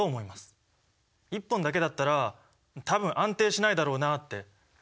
１本だけだったら多分安定しないだろうなって。